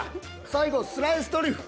最後スライストリュフ。